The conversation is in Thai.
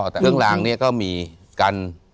แต่เครื่องรางเนี่ยก็มีกัน